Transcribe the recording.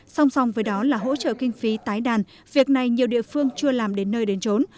song song với đó là hỗ trợ kinh phí tái đàn việc này nhiều địa phương chưa làm đến nơi đến trốn